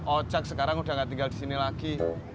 ocak sekarang udah gak tinggal di sini lagi